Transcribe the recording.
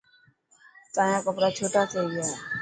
تايان ڪپڙا ڇوٽا ٿي گيا.